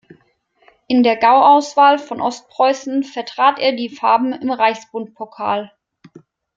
In der Gauauswahl von Ostpreußen vertrat er die Farben im Reichsbundpokal.